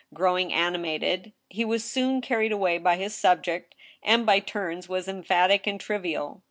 Growing animated, he was soon carried away by his subject, and by turns was em phatic and trivial.